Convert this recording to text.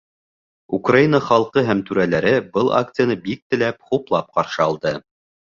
Украина халҡы һәм түрәләре был акцияны бик теләп, хуплап ҡаршы алды.